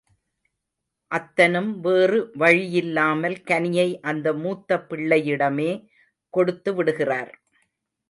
அத்தனும் வேறு வழியில்லாமல் கனியை அந்த மூத்த பிள்ளையிடமே கொடுத்து விடுகிறார்.